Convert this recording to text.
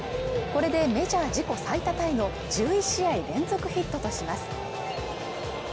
これでメジャー自己最多タイの１１試合連続ヒットとします